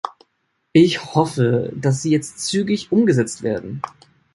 Ich hoffe, dass sie jetzt zügig umgesetzt werden.